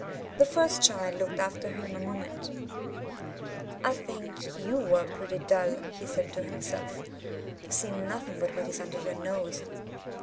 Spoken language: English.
The first child looked after him a moment. *1 think you are pretty dull," he said to himself, *'to see nothing but what is under your nose."